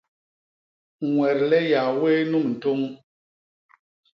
Ñwet le Yahwéh nu mintôñ.